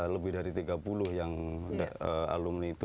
lebih dari tiga puluh yang alumni itu